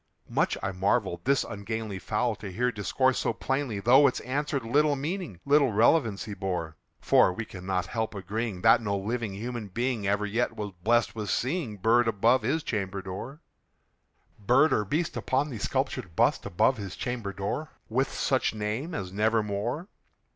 Much I marvelled this ungainly fowl to hear discourse so plainly, Though its answer little meaning little relevancy bore; For we cannot help agreeing that no living human being Ever yet was blessed with seeing bird above his chamber door Bird or beast upon the sculptured bust above his chamber door, With such name as "Nevermore."